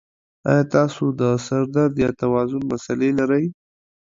ایا تاسو د سر درد یا توازن مسلې لرئ؟